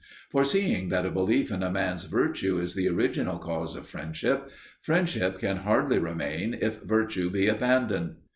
For, seeing that a belief in a man's virtue is the original cause of friendship, friendship can hardly remain if virtue he abandoned.